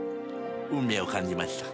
運命を感じました。